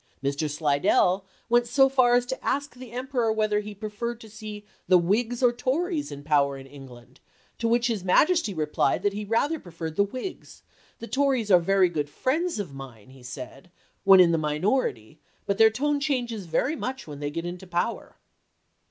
Mr. Slidell went so far as to ask the Emperor whether he preferred to see the Whigs or Tories in power in England, to which his Majesty replied that he rather preferred the Whigs ;" the Tories are very good friends of mine," he said, " when in the minority, but their tone changes very much when they get into power."